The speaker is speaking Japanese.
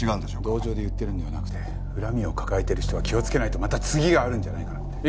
同情で言ってるんではなくて恨みを抱えてる人は気をつけないとまた次があるんじゃないかなって。